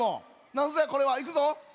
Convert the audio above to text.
なんぞやこれは。いくぞ。